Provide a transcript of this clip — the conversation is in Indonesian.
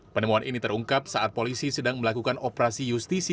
penemuan ini terungkap saat polisi sedang melakukan operasi justisi